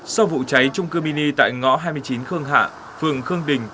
sau vụ cháy trung cư mini tại ngõ hai mươi chín khương hạ phường khương đình